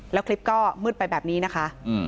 แล้วคลิปก็มืดไปแบบนี้นะคะ